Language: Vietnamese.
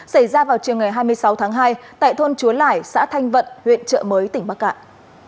xảy ra vào chiều ngày hai mươi sáu tháng hai tại thôn chúa lẻi xã thanh vận huyện trợ mới tỉnh bắc cạn